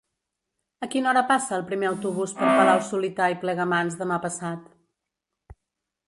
A quina hora passa el primer autobús per Palau-solità i Plegamans demà passat?